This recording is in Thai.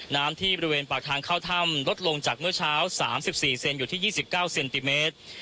น้ำที่บริเวณปากทางเข้าถ้ำลดลงจากเมื่อเช้า๓๔เซนอยู่ที่๒๙เซนติเมตร